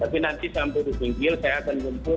tapi nanti sampai disingkir saya akan jemput